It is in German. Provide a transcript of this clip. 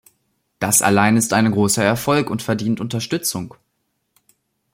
Das allein ist ein großer Erfolg und verdient Unterstützung.